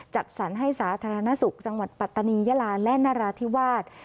จัดสรรให้สาธารณสุขจังหวัดปัตตานียาลาและนราธิวาส